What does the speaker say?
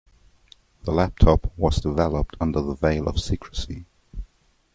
The laptop was developed under the veil of secrecy.